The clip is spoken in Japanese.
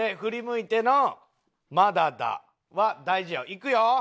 いくよ？